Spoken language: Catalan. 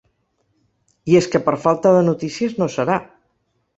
I és que per falta de notícies no serà.